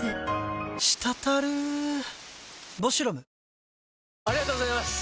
キリン「陸」ありがとうございます！